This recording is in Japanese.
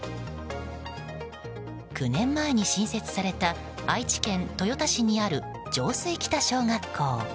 ９年前に新設された愛知県豊田市にある浄水北小学校。